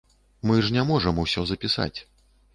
Мы ж не можам усё запісаць.